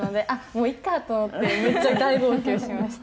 もういいかと思ってめっちゃ大号泣しました。